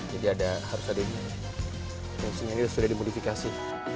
jadi ada harus ada yang ini sudah dimodifikasi